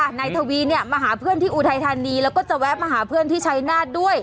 เวียร์นายถวีมันมาหาเพื่อนที่อุทัยธานีและก็จะแวะมาหาเพื่อนที่ใช้นาศด้วย